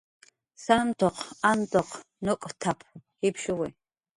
"Santuq Antun nuk'tap"" jipshuwi"